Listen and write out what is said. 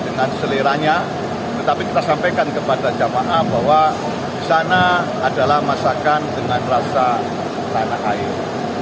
di sana adalah masakan dengan rasa tanah air